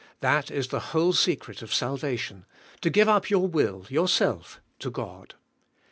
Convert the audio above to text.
That is the whole secret of salvation, to give up your will, your self, to God.